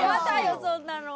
そんなの。